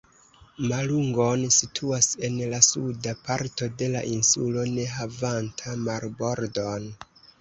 Malungon situas en la suda parto de la insulo ne havanta marbordon.